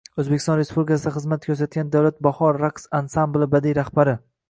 O‘zbekiston Respublikasida xizmat ko‘rsatgan davlat “Bahor” raqs ansambili badiiy rahbari